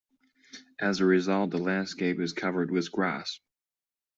As a result, the landscape is covered with grass.